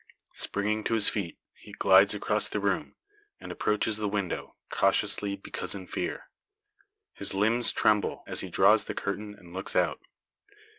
Springing to his feet, he glides across the room, and approaches the window cautiously, because in fear. His limbs tremble, as he draws the curtain and looks out.